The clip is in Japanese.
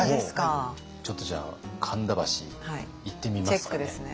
ちょっとじゃあ神田橋行ってみますかね。